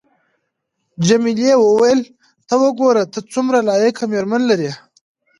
جميلې وويل:: ورته وګوره، ته څومره لایقه مېرمن لرې.